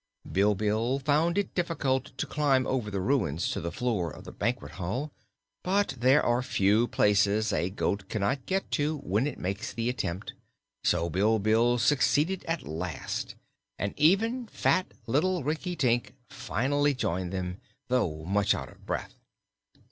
Bilbil found it difficult to climb over the ruins to the floor of the banquet hall, but there are few places a goat cannot get to when it makes the attempt, so Bilbil succeeded at last, and even fat little Rinkitink finally joined them, though much out of breath.